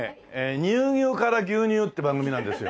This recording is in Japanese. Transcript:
「乳牛から牛乳」って番組なんですよ。